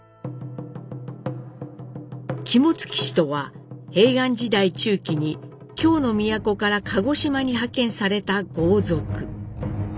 肝付氏とは平安時代中期に京の都から鹿児島に派遣された豪族。